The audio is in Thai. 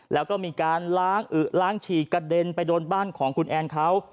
แล้วก็มีการล้างอึล้างฉีกกระเด็นไปโดนบ้านของคุณแอนเขา